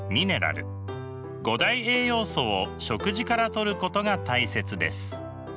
五大栄養素を食事からとることが大切です。